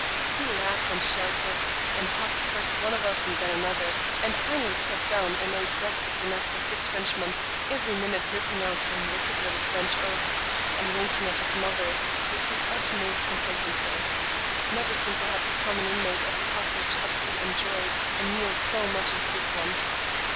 He laughed and shouted, and hugged first one of us and then another, and finally sat down and ate breakfast enough for six Frenchmen, every minute ripping out some wicked little French oath and winking at his mother with the utmost complacency. Never since I had become an inmate of the cottage had we enjoyed a meal so much as that one.